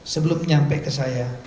sebelum nyampe ke saya